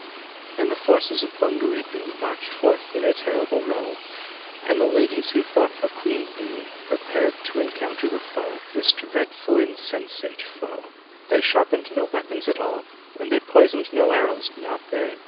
So the forces of BUNGALEE BOO Marched forth in a terrible row, And the ladies who fought for QUEEN LOO Prepared to encounter the foe— This dreadful, insatiate foe! But they sharpened no weapons at all, And they poisoned no arrows—not they!